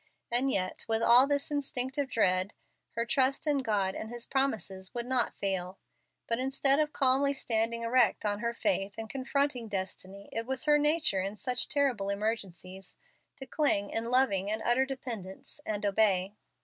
And yet with all this instinctive dread, her trust in God and His promises would not fail. But instead of standing calmly erect on her faith, and confronting destiny, it was her nature, in such terrible emergencies, to cling in loving and utter dependence, and obey.